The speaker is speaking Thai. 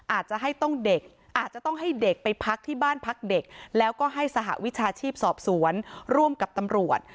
อาจจะให้ต้องเด็กอาจจะต้องให้เด็กไปพักที่บ้านพักเด็กแล้วก็ให้สหวิชาชีพสอบสวนร่วมกับตำรวจ